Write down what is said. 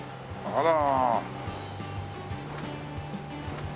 あら。